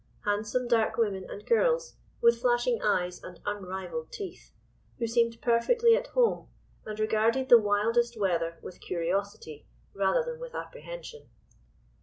Handsome dark women and girls, with flashing eyes and unrivalled teeth, who seemed perfectly at home, and regarded the wildest weather with curiosity rather than with apprehension.